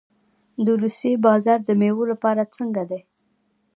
د روسیې بازار د میوو لپاره څنګه دی؟